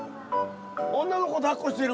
女の子抱っこしてる。